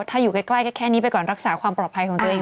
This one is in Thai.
ถ้าอยู่ใกล้ก็แค่นี้ไปก่อนรักษาความปลอดภัยของตัวเอง